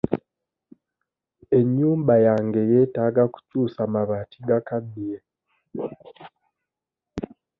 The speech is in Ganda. Ennyumba yange yeetaaga kukyusa mabaati gakaddiye.